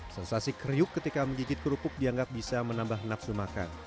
sensasi kriuk ketika menggigit kerupuk dianggap bisa menambah nafsu makan